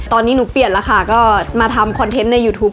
ตอนนี้หนูเปลี่ยนแล้วค่ะก็มาทำคอนเทนต์ในยูทูป